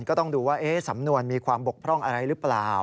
ก็ต้องดูว่าสำนวนมีความบกพร่องอะไรหรือเปล่า